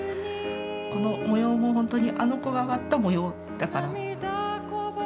この模様もほんとにあの子が割った模様だから。